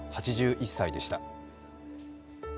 ８１歳でした。